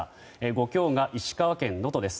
５強が石川県能登です。